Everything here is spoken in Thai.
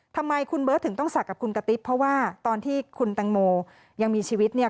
ทำไมคุณเบิร์ตถึงต้องศักดิ์กับคุณกะติ๊บเพราะว่าตอนที่คุณแตงโมยังมีชีวิตเนี่ย